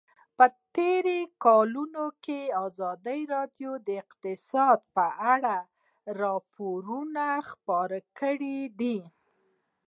په تېرو کلونو کې ازادي راډیو د اقتصاد په اړه راپورونه خپاره کړي دي.